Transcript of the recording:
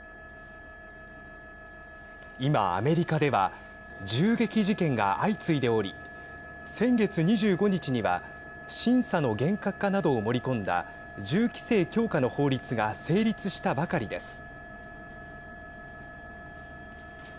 今、アメリカでは銃撃事件が相次いでおり先月２５日には審査の厳格化などを盛り込んだ銃規制強化の法律が成立したばかりです。